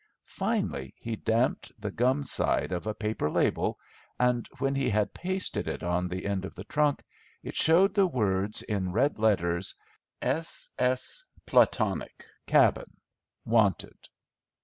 Finally he damped the gum side of a paper label, and when he had pasted it on the end of the trunk, it showed the words in red letters, "S.S. Platonic, cabin, wanted."